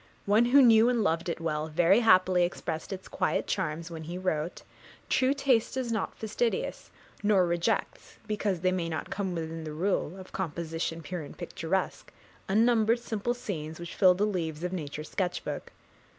One who knew and loved it well very happily expressed its quiet charms, when he wrote True taste is not fastidious, nor rejects, Because they may not come within the rule Of composition pure and picturesque, Unnumbered simple scenes which fill the leaves Of Nature's sketch book.